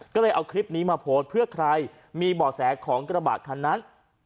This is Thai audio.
ก็เลยเอาคลิปนี้มาโพสต์เพื่อใครมีบ่อแสของกระบะคันนั้น